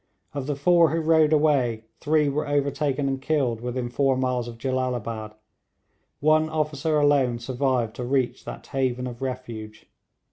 Of the four who rode away three were overtaken and killed within four miles of Jellalabad; one officer alone survived to reach that haven of refuge.